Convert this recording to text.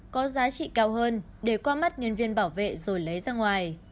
có giá trị cao hơn để qua mắt nhân viên bảo vệ rồi lấy ra ngoài